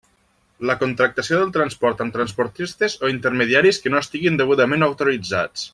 La contractació del transport amb transportistes o intermediaris que no estiguen degudament autoritzats.